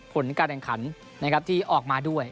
ผลการแรงขันนะครับที่ออกมาด้วย